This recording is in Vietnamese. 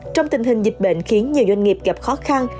trong tình hình dịch bệnh khiến nhiều doanh nghiệp gặp khó khăn